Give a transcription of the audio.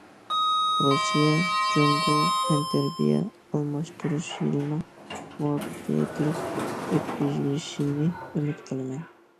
رۇسىيە- جۇڭگو تەنتەربىيە ئالماشتۇرۇش يىلىنىڭ مۇۋەپپەقىيەتلىك ئۆتكۈزۈلۈشىنى ئۈمىد قىلىمەن.